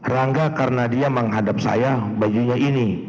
rangga karena dia menghadap saya bajunya ini